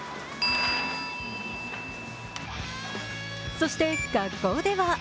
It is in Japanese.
そして学校では。